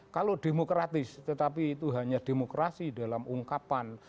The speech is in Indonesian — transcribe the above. kalau demokratis tetapi itu hanya demokrasi dalam ungkapan